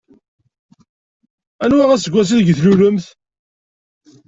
Anwa aseggas ideg tlulemt?